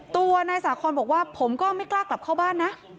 ตัวนายสาคอนบอกว่าผมก็ไม่กล้ากลับเข้าบ้านนะ